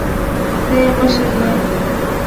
ته يې مشر يې.